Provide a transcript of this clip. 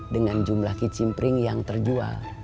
dengan jumlah kicimpring yang terjual